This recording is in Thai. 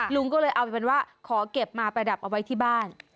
ลุงก็เลยเอาเป็นว่าขอเก็บมาประดับเอาไว้ที่บ้าน